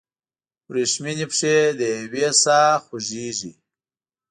وریښمینې پښې دیوې ساه خوږیږي